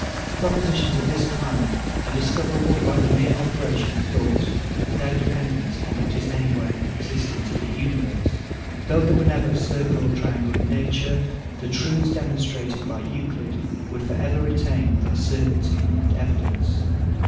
Propositions of this kind are discoverable by the mere operation of thought, without dependence on what is anywhere existent in the universe. Though there never were a circle or triangle in nature, the truths demonstrated by Euclid would for ever retain their certainty and evidence.